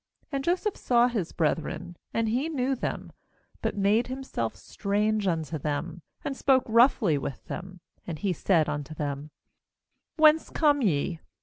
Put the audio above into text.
7And Joseph saw his brethren, and he knew them, but made himself strange unto them, and spoke roughly with them; and he said unto them: 'Whence come ye?'